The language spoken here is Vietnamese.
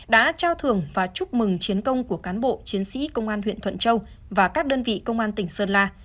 đã trao thưởng và chúc mừng chiến công của cán bộ chiến sĩ công an huyện thuận châu và các đơn vị công an tỉnh sơn la